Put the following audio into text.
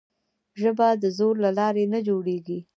ژبه د زور له لارې نه جوړېږي.